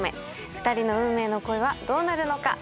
２人の運命の恋はどうなるのか？